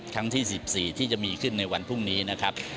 ที่๑๔ที่จะมีขึ้นในวันพรุ่งนี้นะครับ